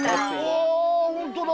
わあ本当だ。